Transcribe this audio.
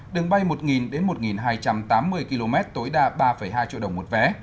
đường bay một đến một hai trăm tám mươi km tối đa ba hai triệu đồng một vé